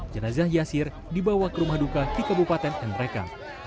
jenazah yasir dibawa ke rumah duka di kebupaten endreka